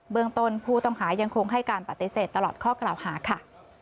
เมืองต้นผู้ต้องหายังคงให้การปฏิเสธตลอดข้อกล่าวหาค่ะ